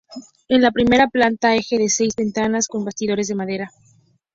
En la primera planta, eje de seis ventanas con bastidores de madera.